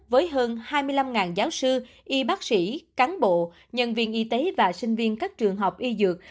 với hơn hai mươi năm giáo sư y bác sĩ cán bộ nhân viên y tế và sinh viên các trường học y dược